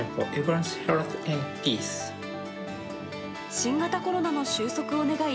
新型コロナの収束を願い